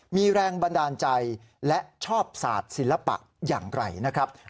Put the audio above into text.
มีแรงบันดาลใจและชอบศาสตร์ศิลปะอย่างไรนะครับ